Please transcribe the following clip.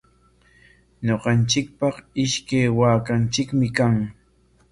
Ñuqanchikpaqa ishkay waakanchikmi kan.